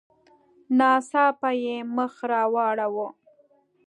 ناڅاپه یې مخ را واړاوه.